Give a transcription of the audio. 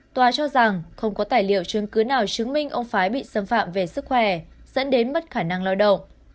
tòa cho rằng không có tài liệu chứng cứ nào chứng minh ông phái bị xâm phạm về sức khỏe dẫn đến mất khả năng lao động